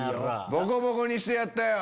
ボコボコにしてやったよ。